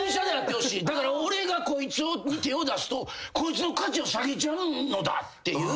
だから俺がこいつに手を出すとこいつの価値を下げちゃうのだっていう。